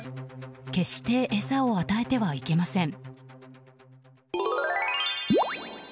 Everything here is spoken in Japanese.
決して餌を与えてはいけません。